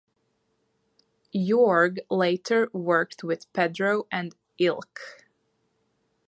Jorge later worked with Pedro at Elche.